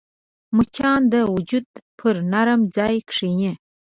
مچان د وجود پر نرم ځای کښېني